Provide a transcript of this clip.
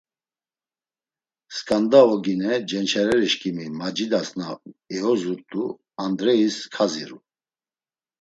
Sǩanda ogine cenç̌arerişǩimi macidas na eozurt̆u Andreyis kaziru.